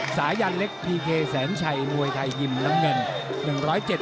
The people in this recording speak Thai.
สายันเล็กพีเคแสนชัยมวยไทยยิมน้ำเงิน